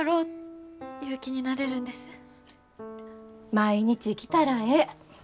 毎日来たらええ。